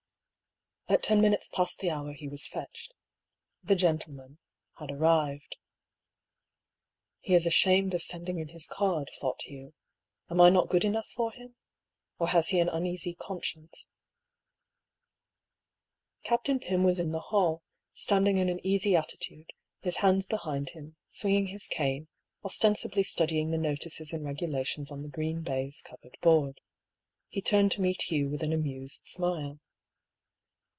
At ten minutes past the hour he was fetched. " The gentleman " had arrived. "He is ashamed of sending in his card," thought Hugh. " Am I not good enough for him ? Or has he an uneasy conscience ?" Captain Pym was in the hall, standing in an easy attitude, his hands behind him, swinging his cane, ostensibly studying the notices and regulations on the green baize covered board. He turned to meet Hugh with an amused smile.